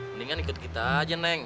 mendingan ikut kita aja neng